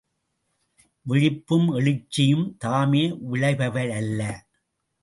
விழிப்பும் எழுச்சியும் தாமே விளைபவையல்ல.